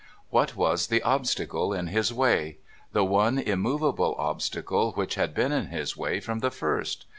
What was the obstacle in his way ? The one immovable obstacle which had been in his way from the first.